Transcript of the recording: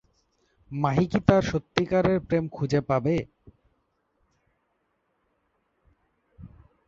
মাহি কি তার সত্যিকারের প্রেম খুঁজে পাবে?